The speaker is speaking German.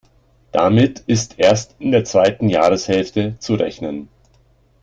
Damit ist erst in der zweiten Jahreshälfte zu rechnen.